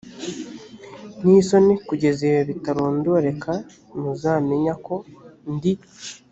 n isoni kugeza ibihe bitarondoreka muzamenya ko ndi